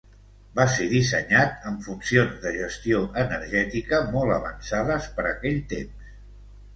Va ser dissenyat amb funcions de gestió energètica molt avançades per aquell temps.